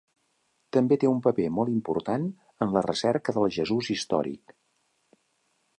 També té un paper molt important en la recerca del Jesús històric.